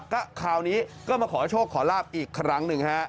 ก็คราวนี้ก็มาขอโชคขอลาบอีกครั้งหนึ่งฮะ